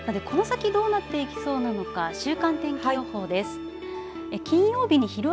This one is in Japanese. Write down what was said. さてこの先どうなっていきそうなのか週間天気予報です。